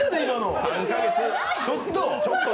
ちょっと！